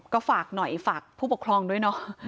ก็ฝากหน่อยฝากผู้ปกครองด้วยเนาะ